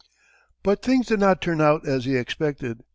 But things did not turn out as he expected.